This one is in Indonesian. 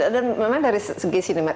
dan memang dari segi sinemat